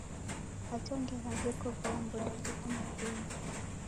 Hata ngera veko vilambo daliw'a nyumbeni.